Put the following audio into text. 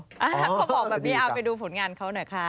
เขาบอกแบบนี้เอาไปดูผลงานเขาหน่อยค่ะ